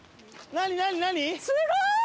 すごい！